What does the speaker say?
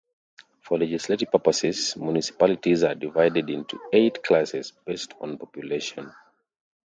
For legislative purposes, municipalities are divided into eight classes based on population.